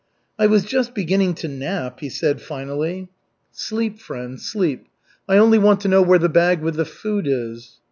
"I was just beginning to nap," he said finally. "Sleep, friend, sleep. I only want to know where the bag with the food is."